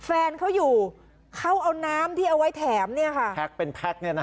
แฟนเขาอยู่เขาเอาน้ำที่เอาไว้แถมเนี่ยค่ะแพ็กเป็นแพ็กเนี่ยนะฮะ